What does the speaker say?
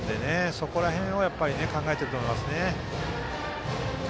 そこら辺は考えていると思います。